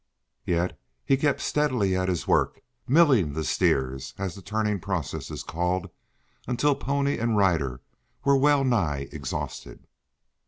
Yet he kept steadily at his work, "milling" the steers, as the turning process is called, until pony and rider were well nigh exhausted.